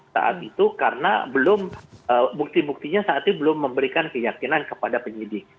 saat itu karena belum bukti buktinya saat ini belum memberikan keyakinan kepada penyidik